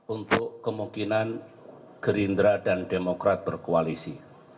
untuk kemungkinan gerindra dan demokrat berkoalisi